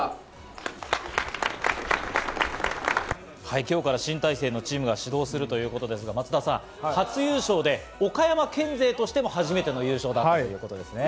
今日から新体制のチームが始動するということですが、松田さん、初優勝で岡山県勢としても初めての優勝ということですね。